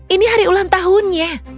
ini hari ulang tahunnya